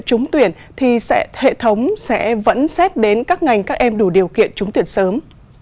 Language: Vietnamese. trúng tuyển thì hệ thống sẽ vẫn xét đến các ngành các em đủ điều kiện trúng tuyển sớm